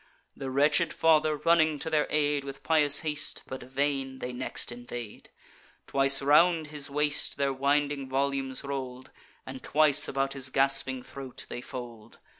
The wretched father, running to their aid With pious haste, but vain, they next invade; Twice round his waist their winding volumes roll'd; And twice about his gasping throat they fold.